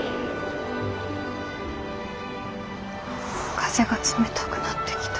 風が冷たくなってきた。